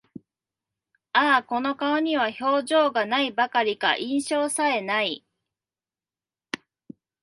ああ、この顔には表情が無いばかりか、印象さえ無い